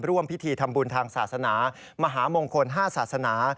ร่วมพิธีทำบุญทางศาสนามหามงคล๕ศาสนา